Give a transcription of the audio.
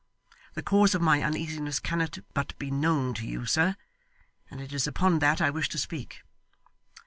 The cause of my uneasiness cannot but be known to you, sir; and it is upon that I wish to speak.